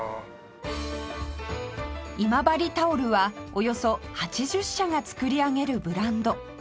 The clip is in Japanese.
今治タオルはおよそ８０社が作り上げるブランド